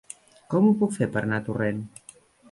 Com ho puc fer per anar a Torrent?